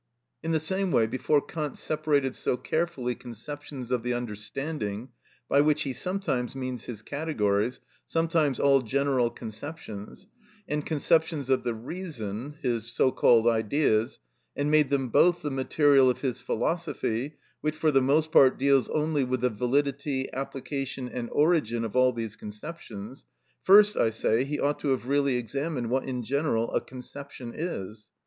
In the same way, before Kant separated so carefully conceptions of the understanding (by which he sometimes means his categories, sometimes all general conceptions) and conceptions of the reason (his so called Ideas), and made them both the material of his philosophy, which for the most part deals only with the validity, application, and origin of all these conceptions;—first, I say, he ought to have really examined what in general a conception is.